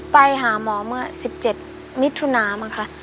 ไปหาหมอเมื่อ๑๗มิถุนามั้งค่ะ